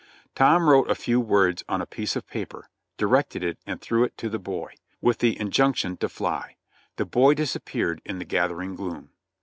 Tom wrote a few words on a piece of paper, directed it and threw it to the boy, with the injunction to fly. The boy disappeared in the gathering gloom.